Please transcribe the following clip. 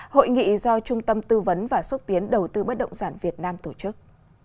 hội nghị do trung tâm tư vấn và xúc tiến đầu tư bất động sản việt nam tổ chức